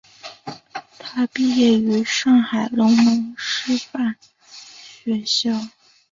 他毕业于上海龙门师范学校。